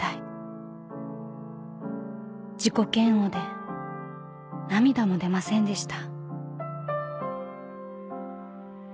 ［自己嫌悪で涙も出ませんでした］